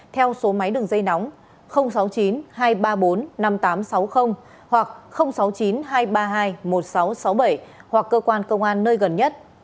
theo số máy đường dây nóng sáu mươi chín hai trăm ba mươi bốn năm nghìn tám trăm sáu mươi hoặc sáu mươi chín hai trăm ba mươi hai một nghìn sáu trăm sáu mươi bảy hoặc cơ quan công an nơi gần nhất